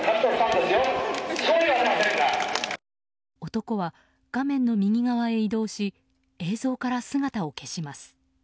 男は画面の右側へ移動し映像から姿を消します。